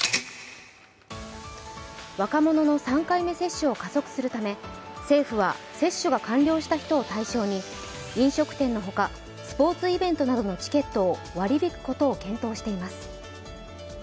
若者の３回目接種を加速するため政府は接種が完了した人を対象に飲食店の他スポーツイベントなどのチケットを割り引くことを検討しています。